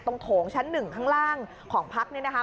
โถงชั้นหนึ่งข้างล่างของพักเนี่ยนะคะ